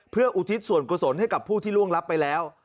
เพื่ออุทิศส่วนกุศลให้กับผู้ที่ล่วงรับไปแล้ว